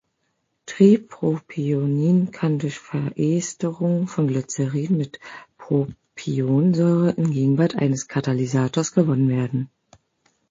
Tripropionin kann durch Veresterung von Glycerin mit Propionsäure in Gegenwart eines Katalysators gewonnen werden.